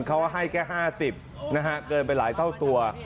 เขาให้แค่๕๐นะฮะเกินไปหลายเท่าตัว